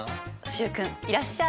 習君いらっしゃい！